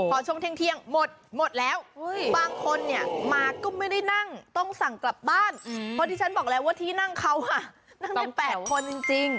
พอช่วงเที่ยงหมดหมดแล้วบางคนเนี่ยมาก็ไม่ได้นั่งต้องสั่งกลับบ้านเพราะที่ฉันบอกแล้วว่าที่นั่งเขานั่งได้๘คนจริง